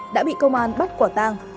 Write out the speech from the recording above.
đã bị công an bắt quả tang